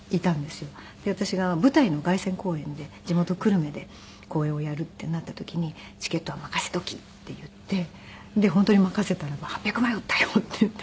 で私が舞台の凱旋公演で地元久留米で公演をやるってなった時に「チケットは任せとき」って言って本当に任せたら「８００枚売ったよ！」って言って。